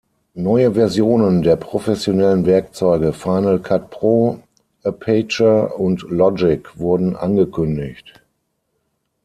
Neue Versionen der professionellen Werkzeuge Final Cut Pro, Aperture und Logic wurden angekündigt.